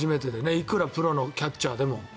いくらプロのキャッチャーでも。